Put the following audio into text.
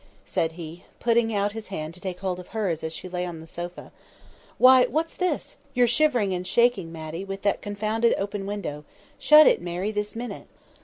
said he, putting out his hand to take hold of hers as she lay on the sofa. "Why, what's this? you're shivering and shaking, Matty, with that confounded open window. Shut it, Mary, this minute!"